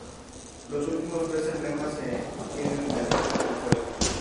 Los tres últimos emblemas se obtienen en el resto del juego.